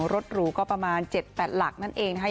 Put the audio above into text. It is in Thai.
รถหรูก็ประมาณ๗๘หลักนั่นเองนะคะ